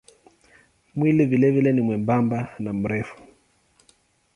Mwili vilevile ni mwembamba na mrefu.